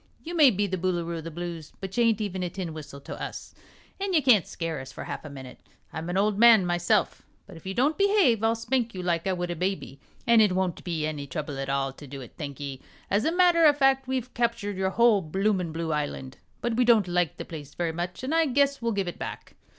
You may be the Boolooroo of the Blues, but you ain't even a tin whistle to us, an' you can't skeer us for half a minute. I'm an ol' man, myself, but if you don't behave I'll spank you like I would a baby, an' it won't be any trouble at all to do it, thank'e. As a matter o' fact, we've captured your whole bloomin' blue island, but we don't like the place very much, and I guess we'll give it back.